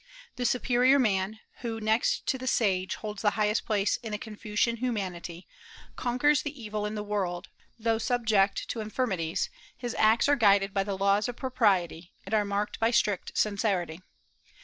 The "superior man," who next to the "sage" holds the highest place in the Confucian humanity, conquers the evil in the world, though subject to infirmities; his acts are guided by the laws of propriety, and are marked by strict sincerity.